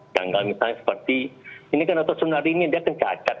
ganggal misalnya seperti ini kan otot senarinya dia kan cacat